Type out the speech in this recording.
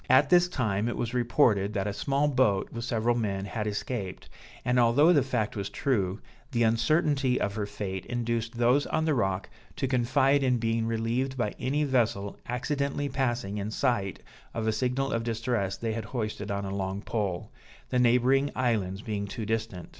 At this time it was reported, that a small boat, with several men, had escaped; and although the fact was true, the uncertainty of her fate induced those on the rock to confide in being relieved by any vessel accidentally passing in sight of a signal of distress they had hoisted on a long pole; the neighboring islands being too distant.